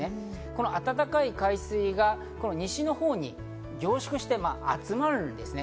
この暖かい海水が西のほうに凝縮して集まるんですね。